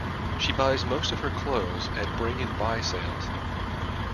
She buys most of her clothes at Bring and Buy sales